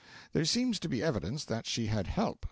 There seems to be evidence that she had help.